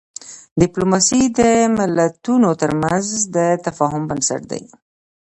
ډیپلوماسي د ملتونو ترمنځ د تفاهم بنسټ دی.